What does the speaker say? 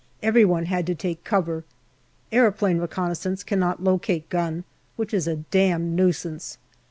Every one had to take cover. Aeroplane reconnaissance cannot locate gun, which is a damned nuisance.